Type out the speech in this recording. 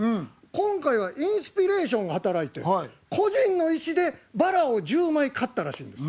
今回はインスピレーションが働いて個人の意思でバラを１０枚買ったらしいんです。